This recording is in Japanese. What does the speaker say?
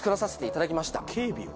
警備を？